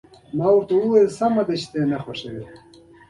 ما ورته وویل: سمه ده، چې ته نه خوښوې.